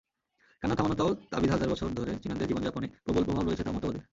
কান্না-থামানো তাও তাবিজহাজার বছর ধরে চীনাদের জীবনযাপনে প্রবল প্রভাব রয়েছে তাও মতবাদের।